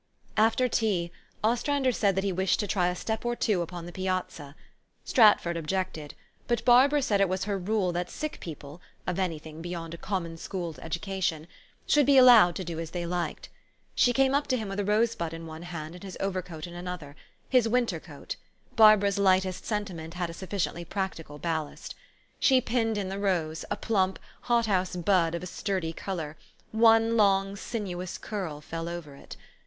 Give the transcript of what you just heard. After tea, Ostrander said that he wished to try a step or two upon the piazza. Stratford objected ; but Barbara said it was her rule that sick people (of any thing be}^ond a common school education) should be allowed to do as they liked. She came 172 THE STORY OF AVIS. up to him with a rose bud in one hand and his over coat in another, his winter coat : Barbara's lightest sentiment had a sufficiently practical ballast. She pinned in the rose, a plump, hot house bud of a sturdy color ; one long sinuous curl fell over it.